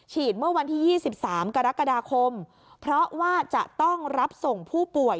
เมื่อวันที่๒๓กรกฎาคมเพราะว่าจะต้องรับส่งผู้ป่วย